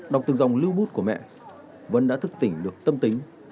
đọc từng dòng lưu bút của mẹ vân đã thức tỉnh được tâm tính